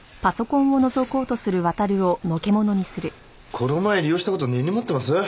この前利用した事根に持ってます？